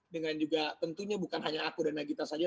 dengan juga tentunya bukan hanya aku dan nagita saja